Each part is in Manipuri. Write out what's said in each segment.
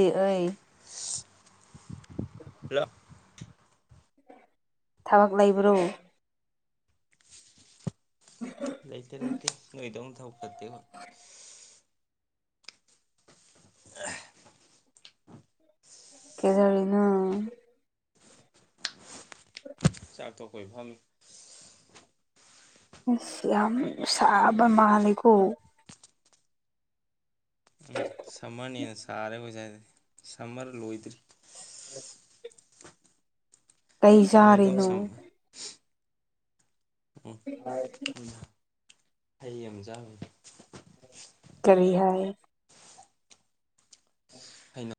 ꯑꯩ ꯍꯜꯂꯣ ꯊꯕꯛ ꯂꯩꯕ꯭ꯔꯣ ꯂꯩꯇꯦ ꯂꯩꯇꯦ ꯅꯣꯏꯗꯧ ꯊꯕꯛ ꯐꯠꯇꯦ ꯍꯣꯏ ꯀꯦꯗꯧꯔꯤꯅꯣ ꯆꯥꯛ ꯇꯣꯛꯄꯒꯤ ꯐꯝꯃꯤ ꯑꯁ ꯌꯥꯝ ꯁꯥꯕ ꯃꯥꯜꯂꯦꯀꯣ ꯁꯃꯔꯅꯤꯅ ꯁꯔꯦ ꯑꯩꯈꯣꯏꯁꯥꯏꯗꯗꯤ ꯁꯃꯔ ꯂꯣꯏ ꯗꯔꯤ [inaudible] ꯀꯩ ꯅꯣꯏ ꯑꯗꯨꯝ ꯆꯥꯔꯤꯅꯣ ꯁꯝ ꯎꯝ ꯍ [inaudible] ꯍꯩ ꯑꯃ ꯆꯥꯕꯅꯦ ꯀꯔꯤ ꯍꯥꯏ ꯎ [inaudible] ꯍꯩꯅꯧ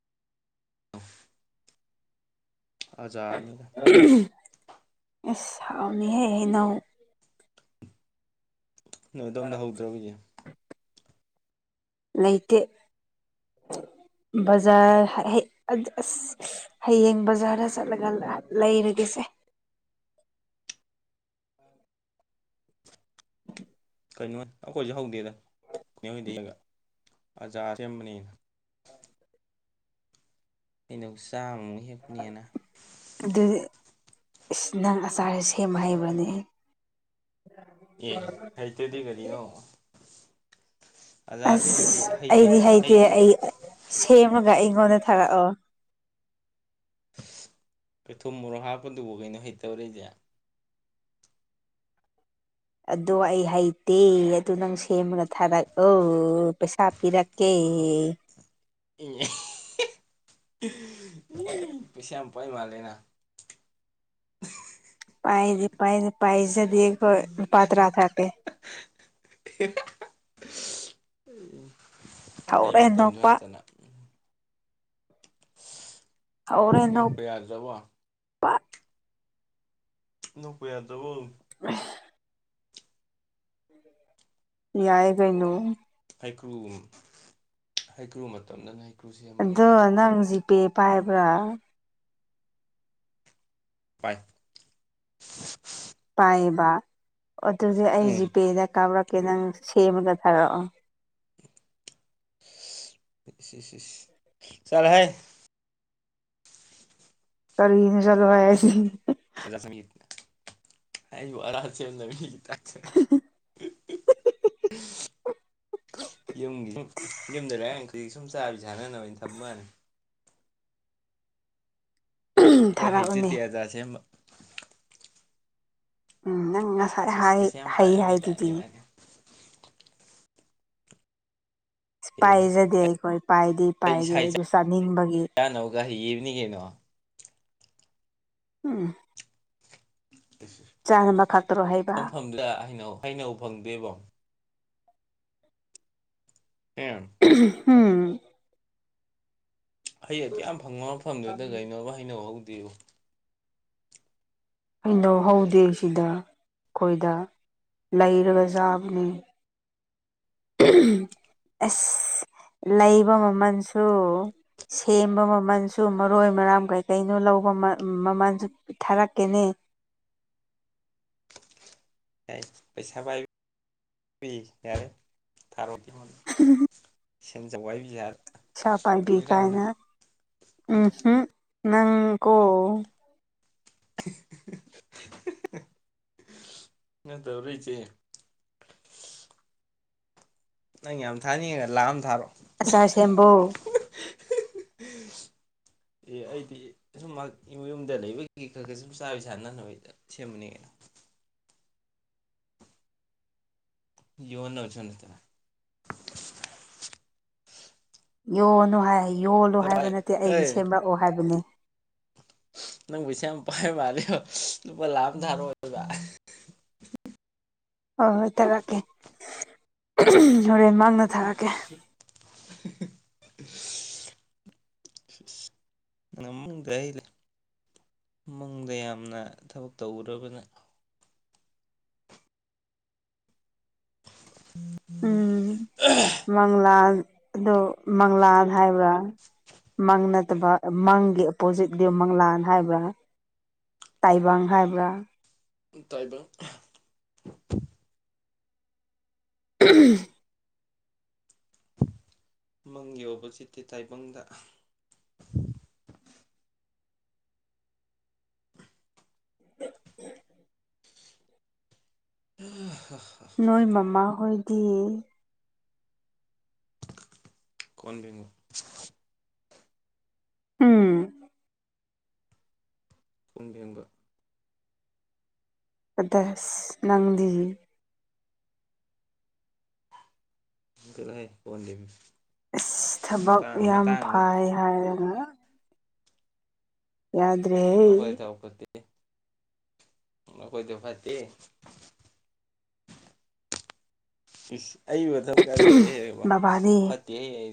ꯑꯖꯔꯅꯤꯗ ꯑꯁ ꯍꯥꯎꯅꯤꯍꯦ ꯍꯩꯅꯧ ꯅꯣꯏ ꯑꯗꯣꯝꯗ ꯍꯧꯗ꯭ꯔꯕꯣꯖꯦ ꯂꯩꯇꯦ ꯕꯖꯥꯔ ꯍꯦꯛ ꯑꯁ ꯍꯌꯦꯡ ꯕꯖꯥꯔꯗ ꯆꯠꯂꯒ ꯂꯩꯔꯒꯦꯁꯦ [inaudible] ꯀꯩꯅꯣ ꯑꯩꯈꯣꯏꯁꯨ ꯍꯧꯗꯦꯗ ꯅꯦꯍꯣꯏꯗ ꯍꯦꯟꯒꯠ ꯑꯆꯥꯥꯔ ꯁꯦꯝꯕꯅꯦ ꯑꯩꯅ ꯍꯩꯅꯧ ꯆꯥꯃꯨꯛ ꯍꯦꯛꯄꯅꯦꯅ ꯏꯁ ꯅꯪ ꯑꯆꯥꯔꯁꯤ ꯁꯦꯝꯕ ꯍꯩꯕꯔꯥꯅꯦ ꯑꯦ ꯍꯩꯇꯗꯤ ꯀꯔꯤꯅꯣ ꯑꯆꯥꯔꯗꯤ ꯑꯩꯗꯤ ꯑꯁ ꯍꯩꯗꯤ ꯑꯩꯗꯤ ꯍꯩꯇꯦ ꯍꯩꯗꯤ ꯑꯩ ꯁꯦꯝꯃꯒ ꯑꯩꯉꯣꯟꯗ ꯊꯔꯛꯑꯣ ꯀꯩ ꯊꯨꯝ ꯃꯣꯔꯣ ꯍꯥꯞꯄꯗꯨꯕꯨ ꯀꯩꯅꯣ ꯍꯩꯇꯔꯥꯕꯁꯦ ꯑꯗꯣ ꯑꯩ ꯍꯩꯇꯦ ꯑꯗꯨ ꯅꯪ ꯁꯦꯝꯃꯒ ꯊꯥꯔꯛꯑꯣ ꯄꯩꯁꯥ ꯄꯤꯔꯛꯀꯦ ꯑꯦ ꯏ ꯄꯩꯁ ꯄꯥꯏ ꯃꯥꯜꯂꯦꯅ ꯄꯥꯏꯗꯤ ꯄꯥꯏꯗꯦ ꯄꯥꯏꯖꯠ ꯗꯦ ꯈꯣꯏ ꯂꯨꯄ ꯇ꯭ꯔꯥ ꯊꯥꯔꯛꯀꯦ ꯎꯝ ꯇꯧꯔꯦ ꯅꯣꯄꯥ ꯅꯣꯛꯄ ꯌꯥꯗꯔꯕꯣ ꯅꯣꯛꯄ ꯌꯥꯗ꯭ꯔꯕꯣ ꯑ [unintelligible] ꯌꯥꯏ ꯀꯩꯅꯣ ꯍꯩꯀ꯭ꯔꯨ ꯍꯩꯀ꯭ꯔꯨ ꯃꯇꯝꯗꯅ ꯍꯩ ꯑꯗꯣ ꯅꯪ ꯖꯤꯄꯦ ꯄꯥꯏꯕ꯭ꯔꯥ ꯄꯥꯏ ꯄꯥꯏꯑꯦꯕ ꯑꯗꯨꯗꯤ ꯑꯩ ꯎꯝ ꯖꯤꯄꯦꯗ ꯀꯥꯞꯔꯛ ꯀꯩ ꯅꯪ ꯁꯦꯝꯃꯒ ꯊꯥꯔꯛꯑꯣ ꯏꯁ ꯏꯁ ꯆꯠꯂꯣꯍꯦ ꯀꯔꯤꯅꯣ ꯆꯠꯂꯣ ꯍꯥꯏꯁꯤ ꯑꯩꯕꯨ ꯑꯔ ꯁꯦꯝꯅꯕ ꯃꯤꯒꯤ ꯇꯥꯏꯞ [inaudible] ꯌꯝꯒꯤ ꯌꯨꯝꯗꯔꯦ ꯗꯒꯤ ꯁꯨꯝ ꯆꯥꯕꯤꯁꯥꯟꯅꯅꯕꯩꯅ ꯊꯝꯕꯥꯅꯤ ꯈꯣꯏ ꯊꯥꯔꯛꯎꯅꯦ ꯍꯩꯖꯗꯦ ꯑꯆꯥꯔ ꯁꯦꯝꯕ ꯎꯝ ꯅꯪ ꯉꯁꯥꯏ ꯁꯤꯁ ꯍꯥꯏ ꯄꯩꯁꯥ ꯌꯥꯝ ꯍꯩ ꯄꯥꯏꯔꯕꯩ ꯍꯥꯏꯗꯨꯗꯤ ꯇꯥꯏꯞꯅꯤ ꯃꯥꯗꯤ ꯏꯁ ꯑꯦ ꯄꯥꯏꯖꯗꯦ ꯑꯩꯈꯣꯏ ꯄꯥꯏꯗꯦ ꯑꯩ ꯄꯥꯏꯗꯦ ꯏꯁꯥ ꯑꯗꯨ ꯆꯥꯅꯤꯡꯕꯒꯤ ꯆꯥꯅꯕꯒ ꯍꯩꯕꯅꯤ ꯀꯩꯅꯣ ꯎꯝ ꯆꯥꯅꯕ ꯈꯛꯇꯔꯣ ꯍꯩꯕ ꯃꯐꯝꯗ ꯍꯩꯅꯧ ꯍꯩꯅꯧ ꯐꯪꯗꯦꯕꯣ ꯑꯦꯝ ꯎꯝ ꯍꯩ ꯑꯗꯨꯛ ꯌꯥꯝ ꯐꯪꯕ ꯃꯐꯝꯗꯨꯗ ꯀꯩꯅꯣꯕ ꯍꯩꯅꯧꯍꯧꯗꯦꯕꯨ ꯍꯩꯅꯧ ꯍꯧꯗꯦꯁꯤꯗ ꯑꯈꯣꯏꯗ ꯂꯩꯔꯒ ꯆꯥꯕꯅꯦ ꯑꯁ ꯂꯩꯕ ꯃꯃꯟꯁꯨ ꯁꯦꯝꯕ ꯃꯃꯟꯁꯨ ꯃꯔꯣꯏ ꯃꯔꯥꯡ ꯀꯩꯀꯩꯅꯣ ꯂꯧꯕ ꯃ ꯃꯥꯃꯜꯁꯨ ꯊꯥꯔꯛꯀꯦꯅꯦ ꯑꯦ ꯄꯩꯁꯥ ꯄꯥꯏꯕꯤ ꯌꯥꯔꯦ ꯊꯥꯔꯣ [unintelligible] ꯁꯦꯟꯖꯧꯋꯥꯥꯏ [unintelligible] ꯄꯩꯁꯥ ꯄꯥꯏꯕꯤ ꯀꯥꯏꯅ ꯎꯝꯍꯝ ꯅꯪꯀꯣ [unintelligible] ꯅꯠꯇꯕꯔꯣ ꯏꯆꯦ ꯅꯪ ꯌꯥꯝ ꯊꯥꯅꯤꯡꯉꯒ ꯂꯥꯛ ꯑꯃ ꯊꯥꯔꯣ ꯑꯆꯥꯔ ꯁꯦꯝꯕꯣ ꯑꯦ ꯑꯩꯗꯤ ꯁꯨꯝ ꯃꯥꯒꯤ ꯌꯨꯝꯗ ꯂꯩꯕꯒꯤ ꯈꯔ ꯈꯔ ꯁꯨꯝ ꯆꯥꯕꯤ ꯁꯥꯟꯅꯅꯕ ꯁꯦꯝꯕꯅꯤ ꯌꯣꯟꯅꯕꯁꯨ ꯅꯠꯇꯅ ꯌꯣꯟꯅꯨ ꯍꯥꯏ ꯌꯣꯜꯂꯨ ꯍꯥꯏꯕ ꯅꯠꯇꯦ ꯑꯦ ꯑꯩꯒꯤ ꯁꯦꯝꯔꯛꯑꯣ ꯍꯥꯏꯕꯅꯦ ꯅꯪ ꯄꯩꯁꯥ ꯌꯥꯝ ꯄꯥꯏꯕ ꯃꯥꯜꯂꯦꯕ ꯂꯨꯄꯥ ꯂꯥꯛ ꯑꯃ ꯊꯥꯔꯛꯑꯣ ꯑꯗꯨꯒ [inaudible] ꯍꯣꯏ ꯍꯣꯏ ꯊꯥꯔꯛꯀꯦ ꯍꯣꯔꯦꯟ ꯃꯪꯗ ꯊꯥꯔꯛꯀꯦ [unintelligible] ꯃꯪꯗ ꯌꯥꯝꯅ ꯊꯕꯛ ꯇꯧꯕ꯭ꯔꯥꯕ ꯅꯪ ꯎꯝ ꯃꯪꯂꯥꯜ ꯗꯣ ꯃꯪꯂꯥꯜ ꯍꯥꯏꯕ꯭ꯔꯥ ꯃꯪ ꯅꯠꯇꯕ ꯃꯪꯒꯤ ꯑꯣꯞꯄꯣꯖꯤꯠꯇꯤ ꯃꯪꯂꯥꯟ ꯍꯥꯏꯕ꯭ꯔꯥ ꯇꯥꯏꯕꯪ ꯍꯥꯏꯕ꯭ꯔꯥ ꯇꯥꯏꯕꯪ [unintelligible] ꯃꯪꯒꯤ ꯑꯣꯄꯣꯖꯤꯠꯇꯤ ꯇꯥꯏꯕꯪꯗ ꯅꯣꯏ ꯃꯃꯥ ꯍꯣꯏꯗꯤ ꯀꯣꯟ ꯐꯦꯡꯕ ꯎꯝ ꯀꯣꯟ ꯐꯦꯡꯕ ꯗꯁ ꯅꯪꯗꯤ ꯆꯠꯂꯣꯍꯦ ꯑꯣꯟꯗꯦꯝ ꯑꯁ ꯊꯕꯛ ꯌꯥꯝ ꯐꯥꯏ ꯍꯥꯏꯔꯒ ꯌꯥꯗ꯭ꯔꯦꯍꯦ ꯅꯈꯣꯏꯗ ꯐꯠꯇꯦ ꯏꯁ ꯑꯩ ꯃꯊꯛ ꯆꯠꯄꯩ ꯍꯦꯅ ꯋꯥ ꯕꯕꯥꯗꯤ ꯐꯠꯇꯦ ꯍꯦ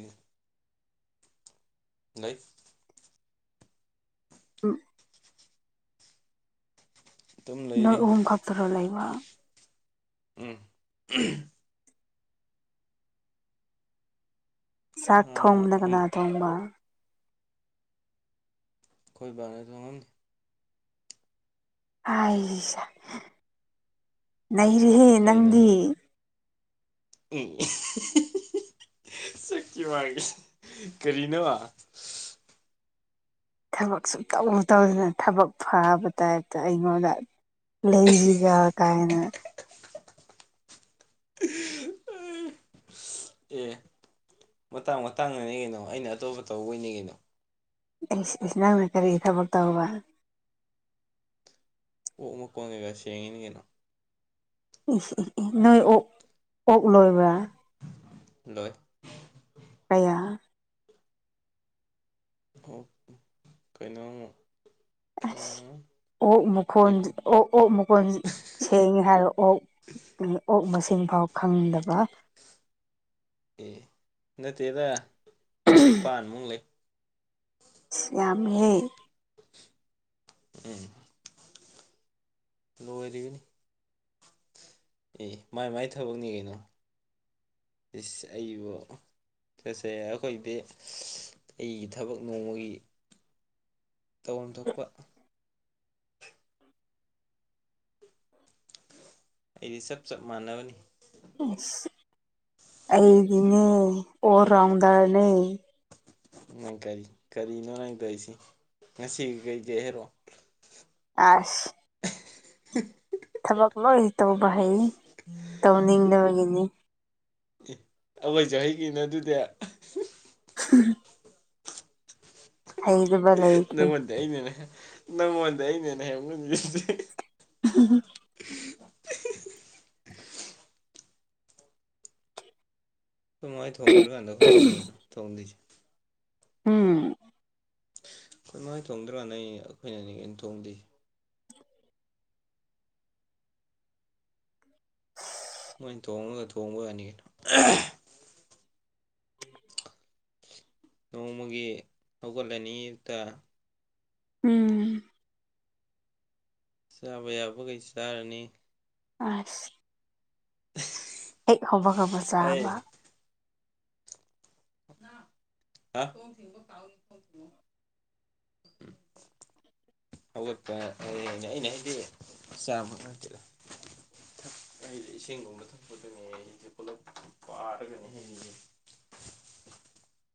ꯂꯩ ꯎꯝ ꯑꯗꯨꯝ ꯅꯣꯏ ꯂꯩꯔꯤ ꯑꯍꯨꯝ ꯈꯛꯇꯔꯣ ꯂꯩꯕ ꯎꯝ ꯆꯥꯛ ꯊꯣꯡꯕꯅ ꯀꯅꯥ ꯑꯃ ꯊꯣꯡꯕ ꯑꯩꯈꯣꯏ ꯕꯥꯅ ꯊꯣꯡꯉꯝꯅꯤ ꯑꯥꯢꯁ ꯅꯩꯔꯦꯍꯦ ꯅꯪꯗꯤ ꯑꯦ ꯁꯛꯀꯤ ꯋꯥꯒꯤꯁꯤ ꯀꯔꯤꯅꯣ ꯊꯕꯛ ꯁꯨꯛꯇꯧ ꯇꯧꯗꯅ ꯊꯕꯛ ꯐꯕ ꯇꯥꯏꯞꯇ ꯑꯩꯉꯣꯟꯗ ꯂꯩꯖꯤꯒ ꯀꯥꯏꯅ [inaudible] ꯑꯦ ꯃꯇꯥꯡ ꯃꯇꯥꯡꯅꯅꯦ ꯀꯩꯅꯣ ꯑꯩꯅ ꯑꯇꯣꯞꯄ ꯇꯧꯕꯩꯅꯦ ꯀꯩꯅꯣ ꯏꯁ ꯏꯁ ꯅꯪꯅ ꯀꯔꯤ ꯊꯕꯛ ꯇꯧꯕ ꯑꯣꯛ ꯃꯀꯣꯟ ꯀꯩꯀ ꯁꯦꯡꯉꯤꯅꯤ ꯀꯩꯅꯣ ꯅꯣꯏ ꯑꯣꯛ ꯑꯣꯛ ꯂꯣꯏꯕ꯭ꯔꯥ ꯂꯣꯏ ꯀꯌꯥ ꯑꯣꯛ ꯀꯩꯅꯣꯃꯨꯛ ꯑꯁ ꯑꯣꯛ ꯃꯀꯣꯟ ꯑꯣꯛ ꯑꯣꯛ ꯃꯀꯣꯟ ꯁꯦꯡꯉꯦ ꯍꯥꯏꯔꯣ ꯑꯣꯛ ꯑꯣꯛ ꯃꯁꯤꯡ ꯐꯥꯎ ꯈꯪꯗꯕ ꯑꯦ ꯅꯠꯇꯦꯗ ꯅꯤꯄꯥꯟꯃꯨꯛ ꯂꯩ ꯌꯥꯝꯃꯦꯍꯦ ꯎꯝ ꯂꯣꯢꯔꯤꯕꯅꯤ ꯑꯦ ꯃꯥꯏ ꯃꯥꯏ ꯊꯕꯛꯅꯤ ꯀꯩꯅꯣ ꯏꯁ ꯑꯩꯕꯨ ꯆꯠꯁꯦ ꯑꯩꯈꯣꯏꯗꯤ ꯑꯩꯒꯤ ꯊꯕꯛ ꯅꯣꯡꯃꯒꯤ ꯇꯧꯐꯝ ꯊꯣꯛꯄ ꯑꯩꯗꯤ ꯆꯞ ꯆꯞ ꯃꯥꯟꯅꯒꯅꯤ ꯑꯩꯒꯤꯅꯦ ꯑꯣꯔ ꯔꯥꯎꯟꯗ꯭ꯔꯅꯦ ꯅꯪ ꯀꯔꯤ ꯀꯔꯤꯅꯣ ꯅꯪ ꯇꯧꯏꯁꯦ ꯉꯁꯤ ꯀꯩꯀꯩ ꯍꯥꯏꯔꯣ ꯑꯥꯁ [unintelligible] ꯊꯕꯛ ꯂꯣꯏ ꯇꯧꯕ ꯍꯩ ꯇꯧꯅꯤꯡꯗꯕꯒꯤꯅꯤ ꯑꯦ ꯑꯩꯈꯣꯏꯁꯨ ꯍꯩ ꯀꯩꯅꯣ ꯑꯗꯨꯗꯤ ꯍ ꯍꯩ ꯅꯪꯉꯣꯟꯗ ꯑꯩꯅꯅꯦ ꯅꯪꯉꯣꯟꯗ ꯑꯩꯅ ꯍꯦꯟꯅ ꯍꯩꯔꯃꯒꯅꯤ ꯁꯤ [unintelligible] ꯅꯨꯡꯉꯥꯢ ꯊꯣꯡꯗ꯭ꯔꯤꯀꯥꯟꯗ ꯑꯩꯈꯣꯏꯅꯅꯦ ꯊꯣꯡꯗꯣꯏꯁꯦ ꯎꯝ ꯑꯩꯈꯣꯏ ꯃꯥꯢꯅ ꯊꯣꯡꯗ꯭ꯔꯤ ꯀꯥꯟꯗꯅꯦ ꯑꯩꯈꯣꯏꯅꯅꯦ ꯑꯩꯅ ꯊꯣꯡꯗꯣꯢꯁꯦ [inaudible] ꯃꯣꯏ ꯊꯣꯡꯉꯒ ꯊꯣꯡꯕ ꯌꯥꯅꯤ ꯀꯩꯅꯣ ꯅꯣꯡꯃꯒꯤ ꯍꯧꯒꯠꯂꯅꯤ ꯑꯌꯨꯛꯇ ꯎꯝ ꯆꯥꯕ ꯌꯥꯕꯒꯩ ꯆꯥꯔꯅꯤ ꯑꯁ [unintelligible] ꯍꯦꯛ ꯍꯧꯕꯒꯕ ꯃꯆꯥ ꯑꯩ ꯑꯃ ꯅꯥꯎ ꯍꯥꯎ ꯊꯣꯡꯊꯤꯡꯕ ꯀꯥꯎꯅꯤꯀꯣ ꯕꯨꯡꯉꯣ ꯍꯧꯒꯠꯄ ꯍꯥꯏꯅꯦ ꯑꯩꯅ ꯍꯥꯏꯗꯤ ꯆꯥꯕ ꯉꯥꯛꯇꯗ [inaudible] ꯑꯩꯁꯦ ꯏꯁꯤꯡ ꯒꯨꯝꯅ ꯊꯛꯄꯗꯅꯦ ꯑꯩꯁꯦ ꯄꯨꯂꯞ ꯄꯥꯔꯒꯅꯦ ꯑꯩꯁꯦ [inaudible]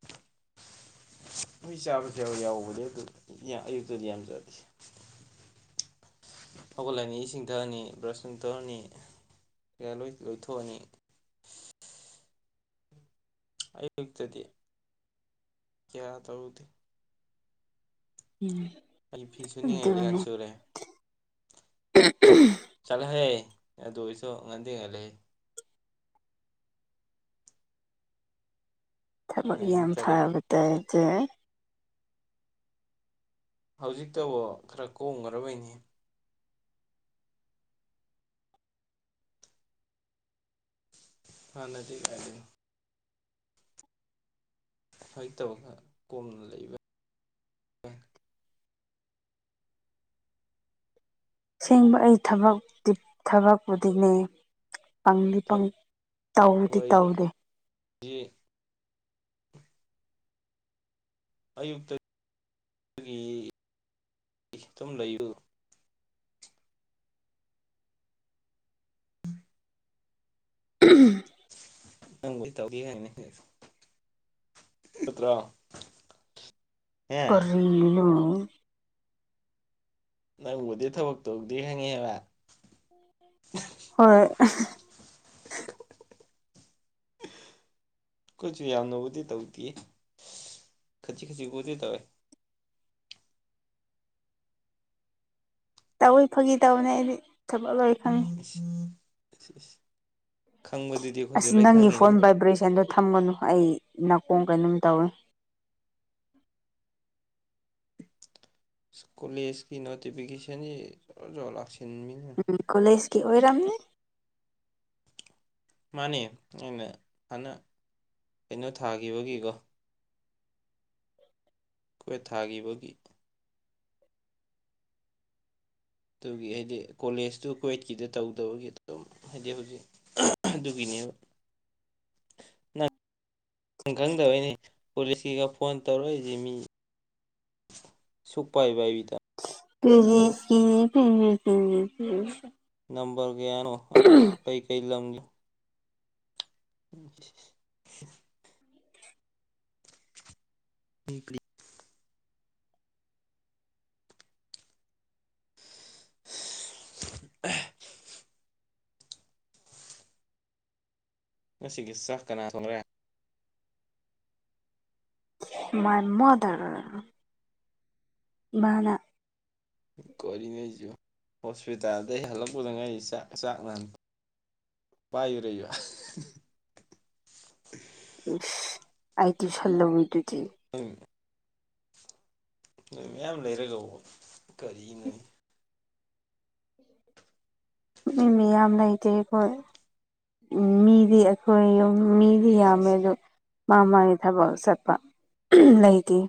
ꯃꯣꯏ ꯆꯥꯕꯁꯦ ꯌꯥꯎꯕꯅꯦ ꯌꯥꯎꯕꯗꯤ ꯑꯌꯨꯛꯇꯗꯤ ꯌꯥꯝ ꯆꯥꯗꯦ ꯍꯧꯒꯠꯂꯅꯤ ꯏꯁꯤꯡꯊꯛꯑꯅꯤ ꯕ꯭ꯔꯁꯅꯨꯡ ꯇꯧꯔꯅꯤ ꯀꯩꯀꯥ ꯂꯣꯢ ꯂꯣꯏꯊꯣꯛꯑꯅꯤ ꯑꯩꯌꯨꯛꯇꯗꯤ ꯀꯌꯥ ꯇꯧꯗꯦ ꯎꯝ ꯑꯩ ꯐꯤꯁꯨꯅꯤꯡꯉꯥꯢ ꯑꯗꯨꯅꯤ ꯂꯩꯀꯥꯟꯁꯨꯨꯔꯦ ꯆꯠꯂꯣꯍꯦ ꯑꯗꯨꯑꯣꯢꯁꯨ ꯉꯟꯗꯤ ꯉꯜꯂꯦꯍꯦ ꯊꯕꯛ ꯅꯪ ꯌꯥꯝ ꯇꯔꯦꯠ ꯐꯕ ꯇꯥꯢꯞꯇ ꯍꯧꯖꯤꯛꯇꯕꯨ ꯈꯔ ꯀꯣꯝꯒ꯭ꯔꯕꯣꯢ ꯅꯤꯡꯏ ꯍꯥꯟꯅꯗꯤ ꯀꯥꯢꯗꯩꯅꯣ ꯁꯃꯥꯏꯅ ꯇꯧꯔꯒ ꯀꯣꯝꯅ ꯂꯩꯕ ꯑꯁꯦꯡꯕ ꯑꯩ ꯊꯕꯛ ꯊꯕꯛꯄꯨꯗꯤꯅꯦ ꯄꯪꯗꯤ ꯊꯕꯛ ꯄꯪ ꯇꯧꯗꯤ ꯇꯧꯗꯦ ꯌꯦ ꯑꯌꯨꯛꯇ ꯒꯤ ꯇꯨꯝ ꯂꯩꯌꯨ [unintelligible] ꯅꯪꯕꯨꯗꯤ ꯇꯧꯒꯦ ꯍꯥꯏꯅꯦ ꯅꯠꯇ꯭ꯔꯣ ꯍꯦ ꯀꯔꯤꯅꯣ ꯅꯪꯕꯨꯗꯤ ꯊꯕꯛ ꯇꯧꯗꯦ ꯈꯪꯉꯦꯕ ꯍꯣꯏ ꯀꯣꯏꯁꯨ ꯌꯥꯝꯅꯕꯨꯗꯤ ꯇꯧꯗꯦ ꯈꯖꯤꯛ ꯈꯖꯤꯛꯕꯨꯗꯤ ꯇꯧꯋꯦ ꯇꯧꯏ ꯐꯥꯒꯤ ꯇꯧꯅꯦ ꯑꯩꯗꯤ ꯊꯕꯛ ꯂꯩ ꯈꯪꯉꯤ ꯁꯤꯁ ꯑꯁ ꯅꯪꯒꯤ ꯐꯣꯟ ꯚꯥꯏꯕ꯭ꯔꯦꯁꯟꯗꯣ ꯊꯝꯒꯅꯨ ꯑꯩ ꯅꯥꯀꯣꯡ ꯀꯩꯅꯣꯝ ꯇꯧꯋꯤ ꯏꯁ ꯀꯣꯂꯦꯖꯁꯀꯤ ꯅꯣꯇꯤꯐꯤꯀꯦꯁꯟꯁꯦ ꯖꯣꯔꯣ ꯖꯣꯔꯣ ꯂꯥꯛꯁꯟ ꯎꯝ ꯀꯣꯂꯦꯖꯀꯤ ꯑꯣꯏꯔꯝꯅꯤ ꯃꯥꯅꯦ ꯑꯩꯅ ꯐꯅ ꯀꯩꯅꯣ ꯊꯥꯒꯤꯕꯒꯤꯀꯣ ꯀꯋ꯭ꯦꯠ ꯊꯥꯈꯤꯕꯒꯤ ꯑꯗꯨꯒꯤ ꯍꯥꯏꯗꯤ ꯀꯣꯂꯦꯖꯇꯨ ꯀ꯭ꯋꯦꯠꯀꯤꯗ ꯇꯧꯗꯕꯒꯤ ꯑꯗꯨꯝ ꯍꯥꯏꯗꯤ ꯍꯧꯖꯤꯛ ꯑꯗꯨꯒꯤꯅꯦꯕ [inaudible] ꯅꯪ ꯅꯪ ꯈꯪꯗꯕꯩꯅꯦ ꯀꯣꯂꯤꯁꯀꯤꯒ ꯐꯣꯟ ꯇꯧꯔꯛꯏ ꯃꯤ ꯁꯨꯛꯄꯥꯏꯕꯥꯏꯕꯤꯇ [unintelligible] ꯅꯝꯕꯔ ꯒꯌꯥꯅꯣ ꯑꯥ ꯀꯩ ꯀꯩ ꯂꯝꯒꯤ [unintelligible] [unintelligible] [unintelligible] ꯉꯁꯤꯒꯤ ꯆꯥꯛ ꯀꯅꯥ ꯊꯣꯔꯦ ꯃꯥꯏ ꯃꯥꯗꯔ ꯏꯃꯥꯅ ꯀꯣꯔꯤꯉꯩꯁꯨ ꯍꯣꯁꯄꯤꯇꯥꯜꯗꯩ ꯍꯜꯂꯛꯄꯗ ꯉꯩꯔꯤ ꯆꯥꯛ ꯆꯥꯛ ꯍꯟ [unintelligible] ꯑꯥꯏ ꯇꯨꯏꯁꯜ ꯂꯧꯔꯤꯇꯨꯗꯤ ꯅꯣꯏ ꯃꯌꯥꯝ ꯂꯩꯔꯒ ꯀꯔꯤꯅꯣꯅꯦ ꯃꯤ ꯃꯤꯌꯥꯝ ꯂꯩꯇꯦꯈꯣꯏ ꯃꯤꯗꯤ ꯑꯩꯈꯣꯏ ꯌꯨꯝ ꯃꯤ ꯗꯤ ꯌꯥꯝꯃꯦ ꯁꯤꯁꯤ ꯑꯗꯨ ꯃꯥ ꯃꯥꯒꯤ ꯊꯕꯛ ꯆꯠꯄ ꯂꯩꯇꯤꯌꯦ